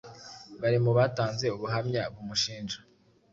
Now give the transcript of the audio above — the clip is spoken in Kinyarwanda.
bari mu batanze ubuhamya bumushinja.